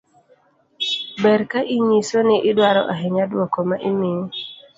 ber ka inyiso ni idwaro ahinya duoko ma imiyi